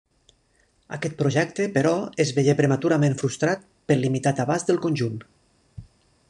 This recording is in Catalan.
Aquest projecte, però, es veié prematurament frustrat pel limitat abast del conjunt.